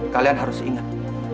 kalian harus ingat